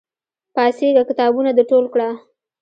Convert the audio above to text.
پاڅېږه! کتابونه د ټول کړه!